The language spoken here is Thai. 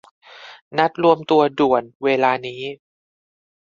นัดรวมตัวด่วน ! เวลานี้ !